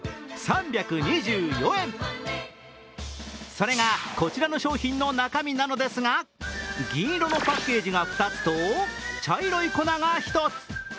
それがこちらの商品の中身なのですが銀色のパッケージが２つと茶色い粉が１つ。